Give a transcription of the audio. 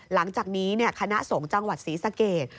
หลังจากนี้คณะสงฆ์จังหวัดศรีสเกต